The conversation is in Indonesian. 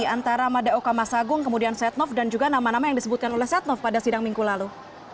antara madeo kamasagung kemudian setnoff dan juga nama nama yang disebutkan oleh setnoff pada sidang minggu lalu